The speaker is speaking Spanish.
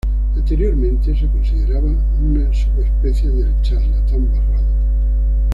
Anteriormente se consideraba una subespecie del charlatán barrado.